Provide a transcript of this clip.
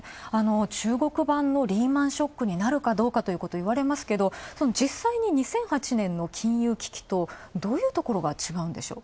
中国版のリーマンショックになるかどうかといわれますけど、実際に２００８年の金融危機とどういうところが違うんでしょう？